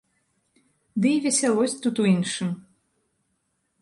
Ды і весялосць тут у іншым.